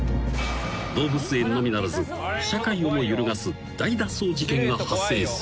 ［動物園のみならず社会をも揺るがす大脱走事件が発生する］